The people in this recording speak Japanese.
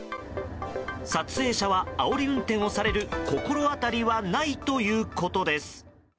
撮影者は、あおり運転をされる心当たりはないということです。